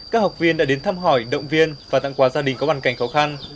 các học viên đã đến thăm hỏi động viên và tặng quà gia đình có hoàn cảnh khó khăn